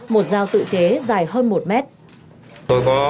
một dao tự chế dài hơn một mét